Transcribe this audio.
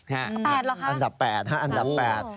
อันดับแปดเหรอคะอันดับแปดห้าอันดับแปด